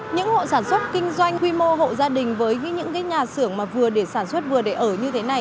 những hộ sản xuất kinh doanh quy mô hộ gia đình với những nhà xưởng mà vừa để sản xuất vừa để ở như thế này